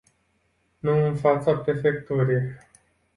Nu în fața prefecturii.